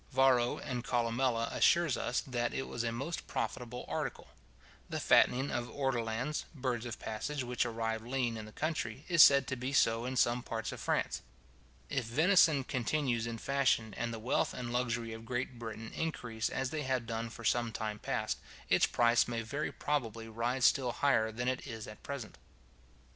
Varro and Columella assure us, that it was a most profitable article. The fattening of ortolans, birds of passage which arrive lean in the country, is said to be so in some parts of France. If venison continues in fashion, and the wealth and luxury of Great Britain increase as they have done for some time past, its price may very probably rise still higher than it is at present.